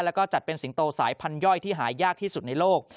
แล้วก็จัดเป็นสิงโตสายพันธย่อยที่หายากที่สุดในโลก